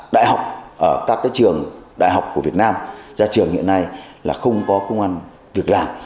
đại học ở các trường đại học của việt nam ra trường hiện nay là không có công an việc làm